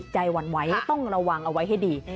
หวั่นไหวต้องระวังเอาไว้ให้ดี